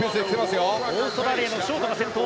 オーストラリアのショートが先頭。